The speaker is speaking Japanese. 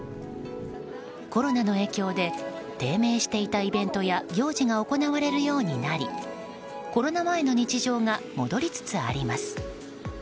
コロナの影響で低迷していたイベントや行事が行われるようになりコロナ前の日常が戻りつつあります。